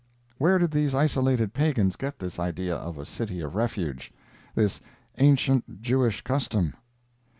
Where did these isolated pagans get this idea of a City of Refuge—this ancient Jewish custom?